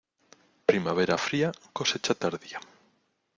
Primavera fría, cosecha tardía.